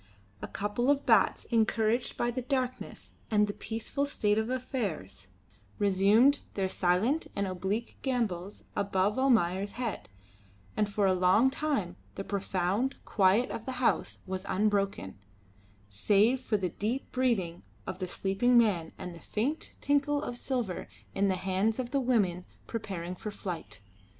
A couple of bats, encouraged by the darkness and the peaceful state of affairs, resumed their silent and oblique gambols above Almayer's head, and for a long time the profound quiet of the house was unbroken, save for the deep breathing of the sleeping man and the faint tinkle of silver in the hands of the woman preparing for flight.